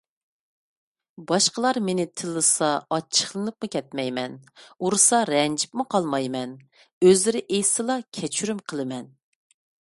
باشقىلار مېنى تىللىسا ئاچچىقلىنىپمۇ كەتمەيمەن. ئۇرسا رەنجىپمۇ قالمايمەن. ئۆزرە ئېيتسىلا، كەچۈرۈم قىلىمەن.